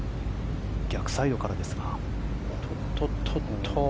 逆サイドからですが。